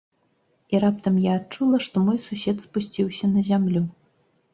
І раптам я адчула, што мой сусед спусціўся на зямлю.